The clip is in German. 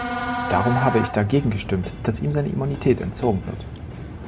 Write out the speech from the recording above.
Darum habe ich dagegen gestimmt, dass ihm seine Immunität entzogen wird.